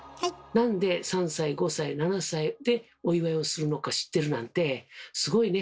なんで３歳５歳７歳でお祝いをするのか知ってるなんてすごいね！